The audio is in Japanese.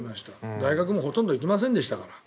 大学もほとんど行きませんでしたから。